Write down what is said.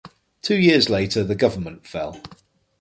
Two years later the government fell.